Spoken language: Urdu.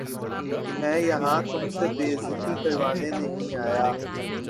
میں یہاں تم سے بے عزتی کروانے نہیں آیا